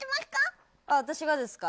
私がですか？